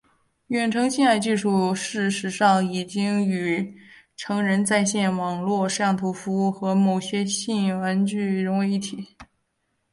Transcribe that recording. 远程性爱技术事实上已与成人在线网络摄像头服务和某些性玩具融为一体。